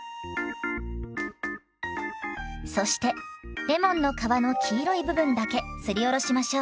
そしてレモンの皮の黄色い部分だけすりおろしましょう。